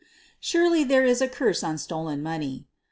Surely there is a curse on stolen money.